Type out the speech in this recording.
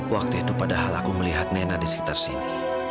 waktu itu padahal aku melihat nena di sekitar sini